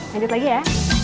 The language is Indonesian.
lanjut lagi ya